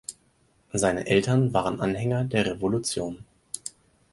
Seine Eltern waren Anhänger der Revolution.